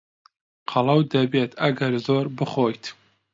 قەڵەو دەبیت ئەگەر زۆر بخۆیت.